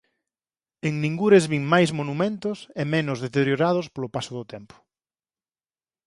En ningures vin máis monumentos, e menos deteriorados polo paso do tempo.